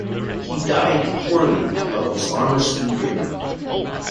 He "dy'd poorely," but was "honestly buried.